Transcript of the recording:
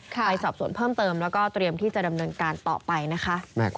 ไปสอบสวนเพิ่มเติมแล้วก็เตรียมที่จะดำเนินการต่อไปนะคะ